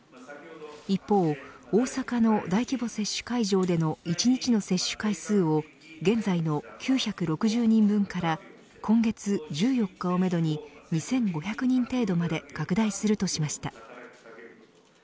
一方、大阪の大規模接種会場での１日の接種回数を現在の９６０人分から今月１４日をめどに２５００人程度まで拡大するとしました。